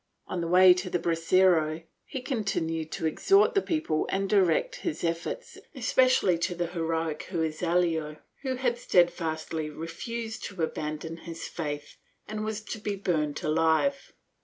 On the way to the brasero he continued to exhort the people and directed his efforts especially to the heroic Herrezuelo, who had stedfastly refused to abandon his faith and was to be burnt alive.